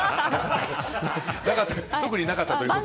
特になかったということで。